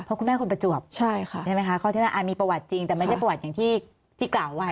เพราะคุณแม่คนประจวบใช่ค่ะใช่ไหมคะข้อที่น่าอาจมีประวัติจริงแต่ไม่ใช่ประวัติอย่างที่กล่าวไว้